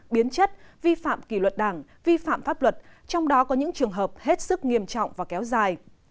biến chất vi phạm kỷ luật đảng vi phạm pháp luật trong đó có những trường hợp hết sức nghiêm trọng và kéo dài